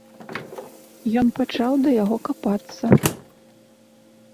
Ён пачаў да яго капацца.